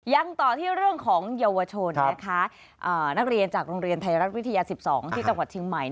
ยังต่อที่เรื่องของเยาวชนนะคะนักเรียนจากโรงเรียนไทยรัฐวิทยา๑๒ที่จังหวัดเชียงใหม่